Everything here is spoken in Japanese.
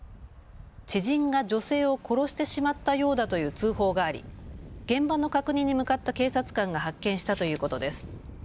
知人が女性を殺してしまったようだという通報があり現場の確認に向かった警察官が発見したということです。